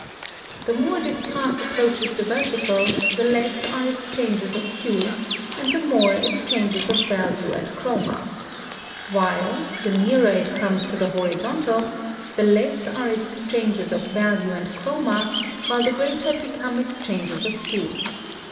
The more this path approaches the vertical, the less are its changes of hue and the more its changes of value and chroma; while, the nearer it comes to the horizontal, the less are its changes of value and chroma, while the greater become its changes of hue.